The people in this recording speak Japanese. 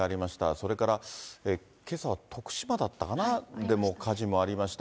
それからけさ、徳島だったかな、でも火事もありました、